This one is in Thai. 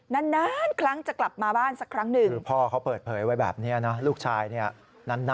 นานครั้งจะกลับมาบ้านสักครั้งหนึ่ง